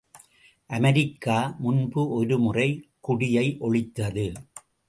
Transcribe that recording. America, முன்பு ஒருமுறை குடியை ஒழித்தது.